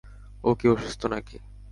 ও কি অসুস্থ নাকি?